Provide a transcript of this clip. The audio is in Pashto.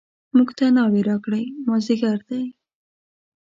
موږ ته ناوې راکړئ مازدیګر دی.